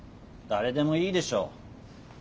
誰でもいいでしょ。